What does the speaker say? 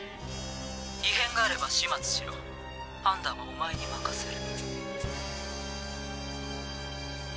異変があれば始末しろ判断はお前に任せる。